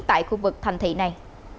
tại khu vực thành thị này